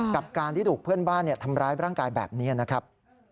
กับการที่ถูกเพื่อนบ้านทำร้ายร่างกายแบบนี้นะครับ